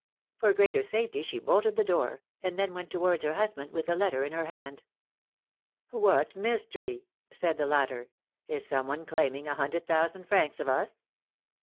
For greater safety she bolted the door, and then went towards her husband with the letter in her hand. What mystery !" said the latter ; is some one claim ing a hundred thousand francs of us?